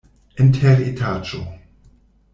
En teretaĝo.